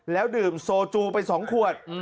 แล้วดื่มโซจูไป๒ขวด